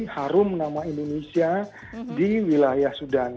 harum nama indonesia di wilayah sudan